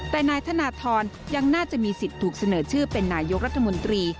แต่นายธนทรยังน่าจะมีสิทธิ์ถูกเสนอชื่อเป็นนายกรัฐมนตรี